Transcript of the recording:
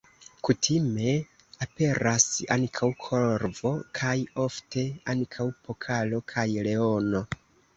Kutime aperas ankaŭ korvo kaj ofte ankaŭ pokalo kaj leono.